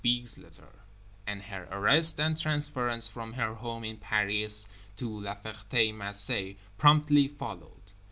's letter; and her arrest and transference from her home in Paris to La Ferté Macé promptly followed.